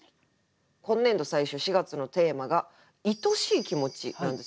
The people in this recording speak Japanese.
今年度最初４月のテーマが「いとしい気持ち」なんですよね。